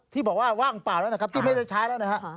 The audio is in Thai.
ที่บอกว่าว่างเปล่าแล้วนะครับที่ไม่ได้ใช้แล้วนะฮะ